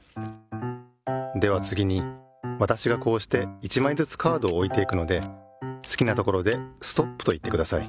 ではつぎにわたしがこうして１まいずつカードをおいていくのですきなところで「ストップ」といってください。